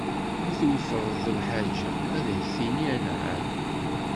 Mi tweffreḍ lḥaǧa, ad ak-d-tini anɛam.